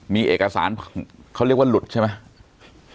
มีเอกสารเขาเรียกว่าหลุดใช่ไหม